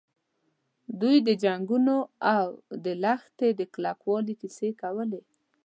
دوی د جنګونو او د لښتې د کلکوالي کیسې کولې.